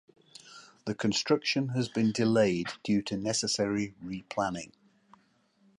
The construction has been delayed due to necessary re-planning.